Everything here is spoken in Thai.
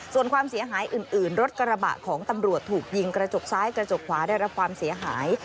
ส่วนความเสียหายอื่นรถกระบะของตำรวจถูกยิงกระจกซ้ายกระจกขวาได้รับความเสียหาย